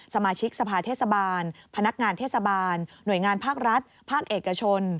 สมาชิกสภาเทศบาลพนักงานเทศบาลหน่วยงานภาครัฐภาคเอกชน